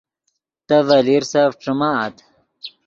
تے ڤے لیرسف ݯیمآت